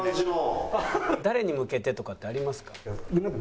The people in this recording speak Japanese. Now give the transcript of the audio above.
「誰に向けてとかってありますか？」。